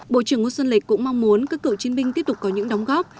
bộ trưởng ngô xuân lịch cũng mong muốn các cựu chiến binh tiếp tục có những đóng góp